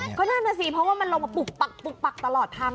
เพราะว่ามันลงไปปุ๊บปั๊กตลอดทาง